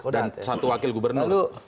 dan satu wakil gubernur